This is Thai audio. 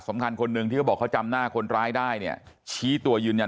คนหนึ่งที่เขาบอกเขาจำหน้าคนร้ายได้เนี่ยชี้ตัวยืนยัน